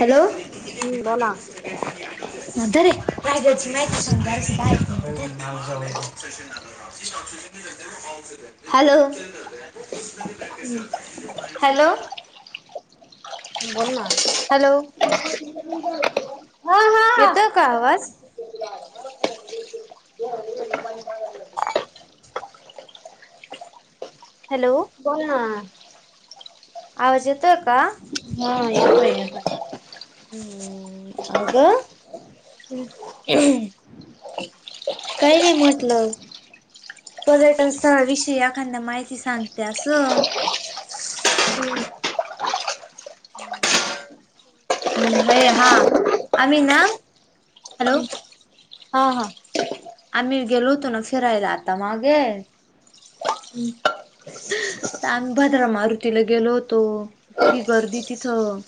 Hello हम्म बोला मत रेची माहिती सजा बाय हॅलो हॅलो बोल ना हॅलो हा हा येतोय का आवाज हॅलो ब आवजतोय का हा एय आगा हम् हम काय नाही म्हटलं पर्यटन स्थळाविषयी एखादा्या माहिती सांगते असं हम् अरे हा आम्ही ना हॅलो हा हा आम्ही गेलो होतो ना फिरायला आता मागे हम् आम्ही भद्र मारुतीला गेलो होतो इतकी गर्दी तिथं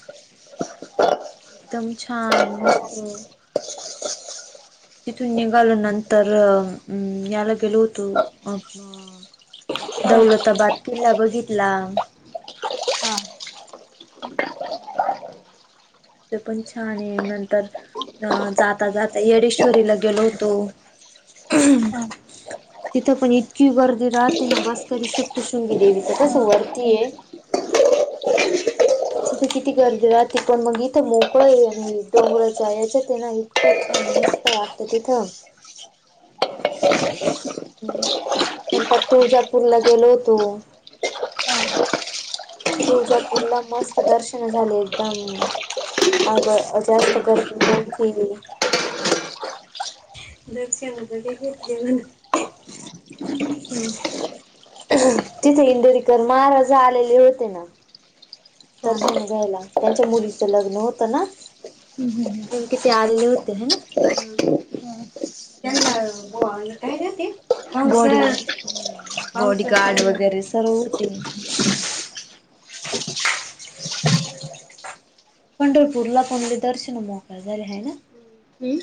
एकदम छान मस्त तिथून निघाल नंतरम याला गेलो होतो दौलताबाद किल्ला बघितला हा ते पण छान आहे नंतर अ जाता जाता येडेश्वरीला गेलो होतो हा तिथं पण इतकी गर्दी राहते ना बस्करी स्ट शृंगी देवीच कसं वरतीय तिथे किती गर्दी राहते पण मग इथं मोकळ आणि डोंगराच्या याच्या ते ना इतकं छान मस्त वाटत तिथं ह् नंतर तुळजापूरला गेलो हो तो तुळजापूर ला मस्त दर्शन झाले एकदम आग जास्त गर्दी नतीली दरशन घेतले म्ह तिथे इंदरीकर महाराज आलेले होते ना दर्शन घ्यायला त्यांच्या मुलीचं लग्न होतं ना हम् ह त कि ते आलेले होते ह ना त्यांना ग काय जाते म आवडी कार्ड वगैरे सर्व होते पंढरपूरला कोण दर्शन मोक झाले आहे ना हम्म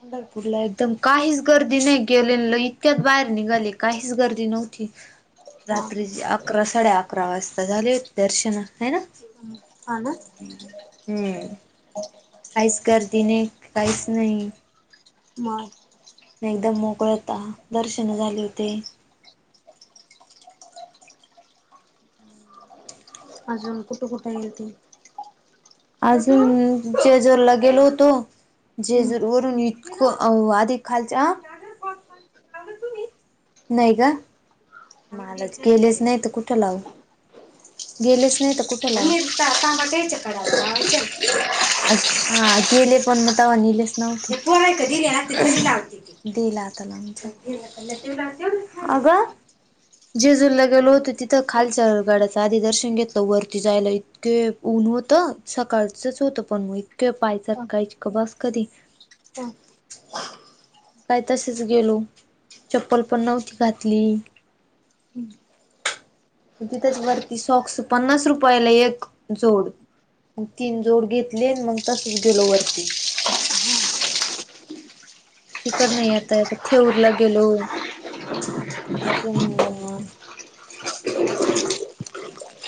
पंढरपूरला एकदम काहीच गर्दी नाही गेले इतक्यात बाहेर निघाले काहीच गर्दी नव्हती हा रात्री अकरा साडे अकरा वाजता झाले हो दर्शन आहे ना ह ना हम्म काहीच गर्दीने काहीच नाही म एकदम मोकळ होता दर्शन झाले होते अजून कुठे कुठे येल ते अजून जचेजरला गेलो होतो हम्म जेजूर वरून इत अधिक खालच्या नाहीय का मला गेलेच नाही तर कुठं लावू गेलेच नाही तर कुठेला ताट्यायच्या कराला लावायच्या अ हा गेले पण मतावनलेच नव्हते पण कधी दि लाता लागच अग जे जुला गेलो होतो तिथं खालच्या गाड्याचं आधी दर्शन घेतलं वरती जायला क ऊन होत सकाळचच होत पण मग इतके पायचात हा कायच बस कधी हा काय तसेच गेलो चप्पल पण नव्हती घातली ग तिथच वरती सोस पन्नास रुपयाला एक जोड मग तीन जोड घेतले मग तसच गेलो वरती तिकड नाही आता ठेऊरला गेलो अजून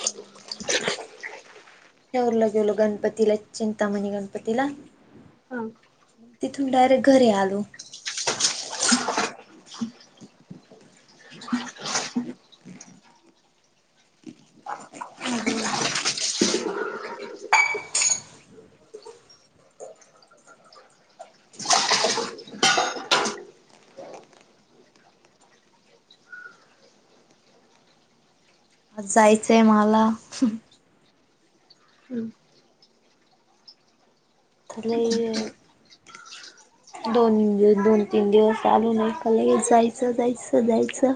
हम रला गेलो गणपतीला चिंतामणी गणपतीला ह तिथून डायरेक्ट घरी आलो आज जायचंय मला हम्म खले दोन दिव दोन तीन दिवस चालू नकाल जायचं जायचं जायचं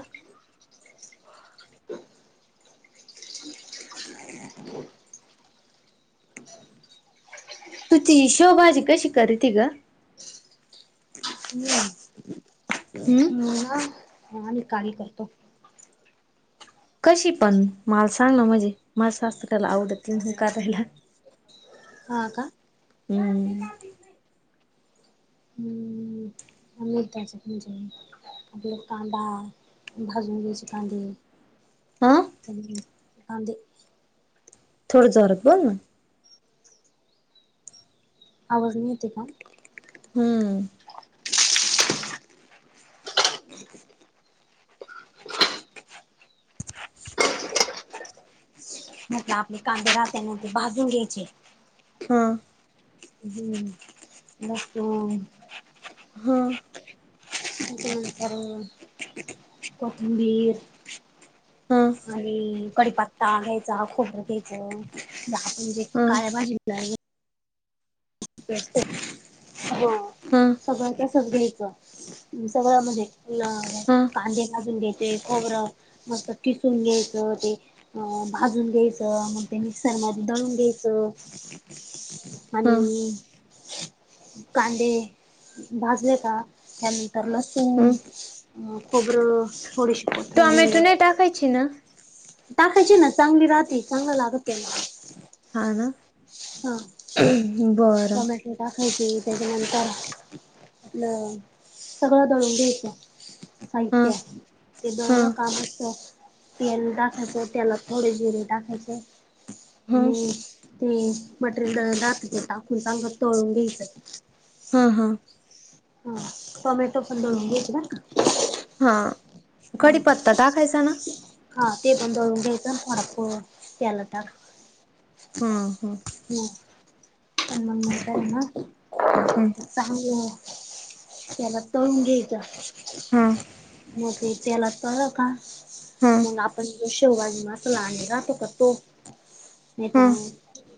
तुची शिवभाजी कशी कर र तघ हम् हम्म म ना ह निकाली करतो कशी पण माला सांगलं म्हणजे माला सासतऱ्याला आवडत त म्ह काराायला हा का हम् म त्यायचे म्हणजे आपल्याला कांदा भाजून घयचे कांदे हा ह ते थोडं जरक बोल ना आ नते का हम्म म्हटलं आपले कांदे राह त्यानंतर भाजून घ्यायचे हा हम्म मस् हा ंत कोथंबीर हा आणि कडीपत्ता घ्यायचा खोबरं घ्यायचं आपण जे हा काळया भाजी हा सगळ्याच्या सजणीच सगळं म्हणजे हा कांदे लाजून घ्याय खोबरं मस्त किसून घ्यायचं ते अ भाजून घ्यायचं मग ते मिक्सर मध्ये दळून घ्यायचं हा आणि कांदे भाजले का त्यानंतर लसुन, हम्म खोबरं, थोडीशी कोथिंबीर टाकयची ना टाकायची ना चांगली राहते चांगलं लागत त्यांना हा ना हा, बरं टोमॅटो टाकायचे त्याच्यानंतर सगळं दळून घ्यायचं. हा साहित्य, ते हा दळलं का मस्त तेल टाकायचं, तेलात थोडे जिरे टाकायचे हा आणि ते मटेरियल दळण बाकीचं टाकून, चांगल तळून घ्यायचं. हा हा हा, टोमॅटो पण दळून घ्यायच बर का. हा, हा कडीपत्ता टाकायचा ना? हा ते पण दळून घ्यायचं [unintelligible] तेलात टाकायचं, हा हा हम् आणि मग नंतर आहे ना, ह चांगलं तेलात तळून हा घ्यायचं, मग ते तेलात तळलं का हा मग आपण जो शेवगा आणलेला असला राहतो का, तो हा येताना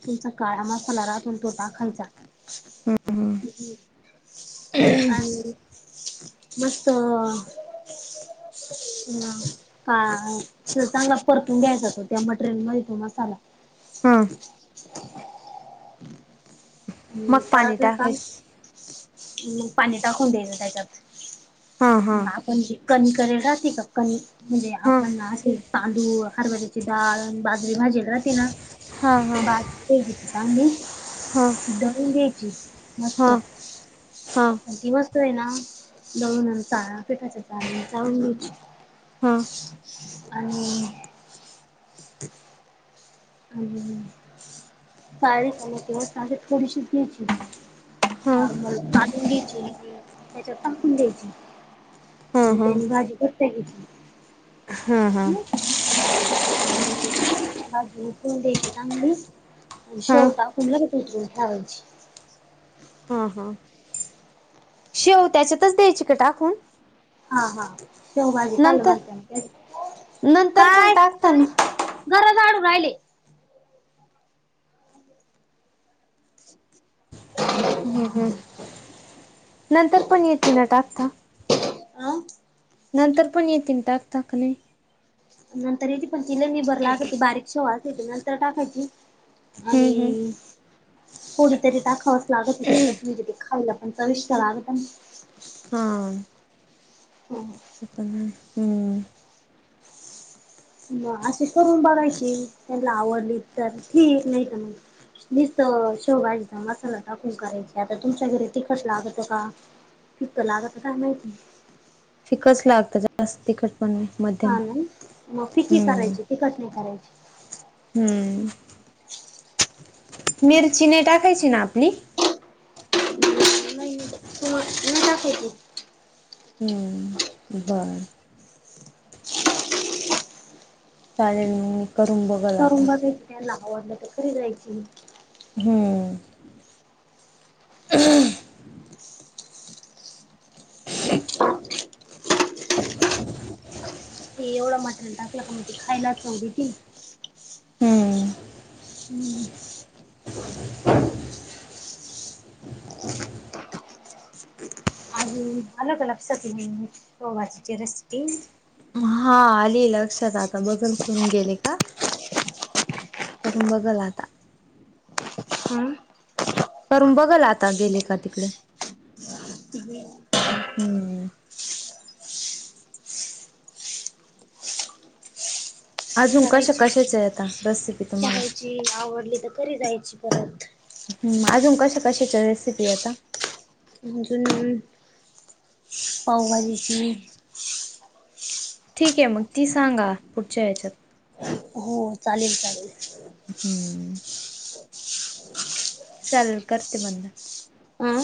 तुमचा काळा मसाला राहतोना तो टाकायचा. आणि मस्त ह काळा, चांगला परतून घ्यायचा तो त्या मटेरियल मध्ये तो मसाला. हा हम्म मग पाणी परतलं का टाकायचं मग पाणी टाकून द्यायचं त्याच्यात, हा हा मग आपण कणिक राहते का कणी, म्हणजे हा आपण असे तांदूळ हरभऱ्याचे डाळ म्हणजे भाजीला राहती ना, हा हा हा बाप रे किती [unintelligible] हा दळून घ्यायची मस्त, हा हा हा आणि ती मस् आहे ना, दळून आणि चाळून पिठाच्या चाळणीने चाळून घेयची. आणि [unintelligible] आणि [unintelligible] थोडीशी घेयची. हा हा हा नॉर्मल काढून घ्यायची, आणि त्याच्यात टाकून द्यायची. म्हणजे त्यानी भाजी घट्ट होती. हम्म हम्म आणि भाजी उकळून द्यायची चांगली आणि हा शेव टाकून लगेच उतरून ठेवायची. हा हा, शेव त्याच्यातच द्यायची का टाकून? हा हा शेवभाजी नंतर कालवन म्हणत नंतर पण काय टाकता घरं झाडू राहिले. हम्म हम्, नंतर पण येती ना टाकता? अं नंतर पण येती ना टाकता, का नाय? नंतर येती पण ती लय निबर लागती, बारीक शेव असती ती नंतर टाकायची हम्म हम्म आणि, थोडीतरी टाकावंच लागती त्याच्यात म्हणजे ती खायला चविष्ट लागत ना. हा हम हम्म मग अशी करून बघायची, त्यांना आवडली तर ठीक, नाही तर मग निस्तं शेव भाजीचा मसाला टाकून करायची, आता तुमच्या घरी तिखट लागतं का? फिकं लागत काय माहिती? फिकच लागत जास्त तिखट पण नाही मध्यम हा ना, मग फिकी हम्म करायची तिखट नाही करायची. हम्म, मिरची नाही टाकायची आपली? नाही. [unintelligible] हम्म बरं. [unintelligible] चालेल मी. करून बघा. करून बघायची नाही आवडलं तर करी जायची. हम्म. हमं. [unintelligible] हे एवढा मटराला टाकला का मग ते खायलाच चव येती. हम्म हम्म. [unintelligible] आणि अलग अलग [inaudible] पावभाजी ची रेसिपी. हा आली लक्षात आता बदल करून गेले का. करून बघल आता. हं करून बघल आता गेले का तिकडे हम्म. अजून कशा करायची कशाच आहे आता रेसिपी तुम्हाला. करायची आवडली तर करी जायची परत ह् अजून कशा कशाच्या रेसिपी आता? अजून पावभाजीची ठीक आहे मग ती सांगा पुढच्या या्याच्यात हो चालेल चालेल. हम्म. चालेल करते बंद. हा.